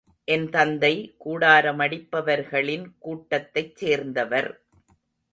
என் தந்தை கூடாரமடிப்பவர்களின் கூட்டத்தைச் சேர்ந்தவர்.